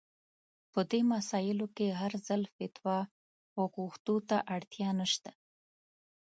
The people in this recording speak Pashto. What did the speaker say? په دې مسايلو کې هر ځل فتوا غوښتو ته اړتيا نشته.